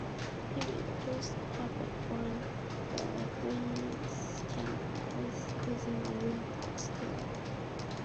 He made the first puppet for The Three Scampies, using a real fox tail.